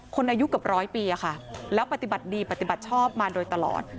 อายุเกือบร้อยปีค่ะแล้วปฏิบัติดีปฏิบัติชอบมาโดยตลอด